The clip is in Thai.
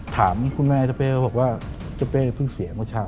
ถามคุณแม่เจ้าเฟ่เขาบอกว่าเจ้าเฟ่เพิ่งเสียมากช้า